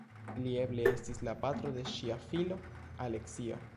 Li eble estis la patro de ŝia filo Aleksio.